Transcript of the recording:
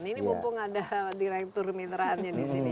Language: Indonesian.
ini mumpung ada direktur mitraannya disini